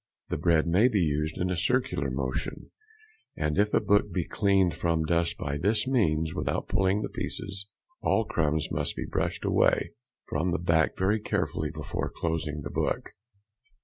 The bread may be used in a circular motion; and if a book be cleaned from dust by this means without pulling to pieces, all crumbs must be brushed away from the back very carefully before closing the book.